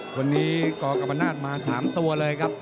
วันนี้กรกรรมนาศมา๓ตัวเลยครับ